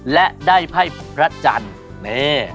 และได้ไพ่พระจันทร์นี่